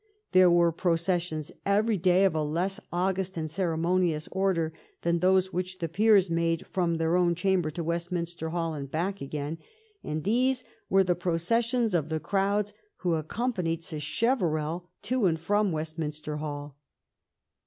There were processions every day of a less august and ceremoni ous order than those which the peers made from their own chamber to Westminster Hall and back again, and these were the processions of the crowds who ac companied Sacheverell to and from Westminster Hall.